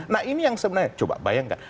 nah ini yang sebenarnya coba bayangkan